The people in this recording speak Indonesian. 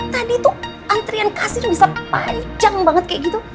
tadi tuh antrian kasir bisa panjang banget kayak gitu